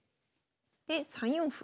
で３四歩。